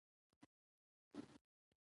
دا پوښتنه پیدا ده چې ولې شاهانو غم ونه کړ.